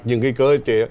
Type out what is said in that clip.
những cái cơ chế